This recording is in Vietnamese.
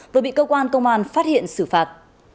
vừa bị cơ quan công an phát hiện xử phạt